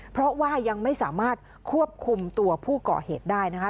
เพราะว่ายังไม่สามารถควบคุมตัวผู้ก่อเหตุได้นะคะ